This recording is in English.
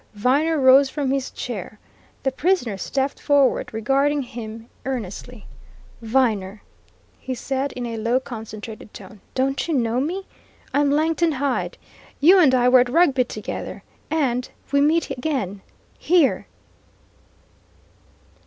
Viner rose from his chair. The prisoner stepped forward, regarding him earnestly. "Viner!" he said, in a low, concentrated tone, "don't you know me? I'm Langton Hyde! You and I were at Rugby together. And we meet again, here!"